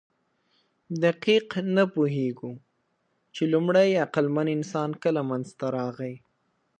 دقیق نه پوهېږو، چې لومړی عقلمن انسان کله منځ ته راغی.